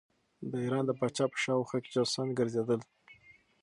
د ایران د پاچا په شاوخوا کې جاسوسان ګرځېدل.